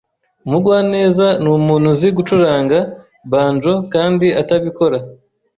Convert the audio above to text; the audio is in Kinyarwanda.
Umugwaneza numuntu uzi gucuranga banjo kandi atabikora.